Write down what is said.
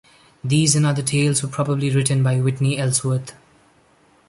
These and other tales were probably written by Whitney Ellsworth.